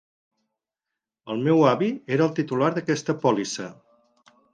El meu avi era el titular d'aquesta pòlissa.